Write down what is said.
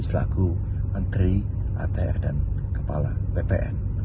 selaku menteri atr dan kepala bpn